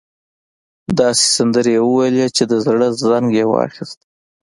داسې سندرې يې وويلې چې د زړه زنګ يې واخيست.